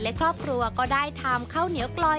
และครอบครัวก็ได้ทำข้าวเหนียวกลอย